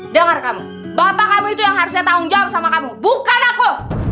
dengar kamu bapak kamu itu yang harusnya tanggung jawab sama kamu bukan aku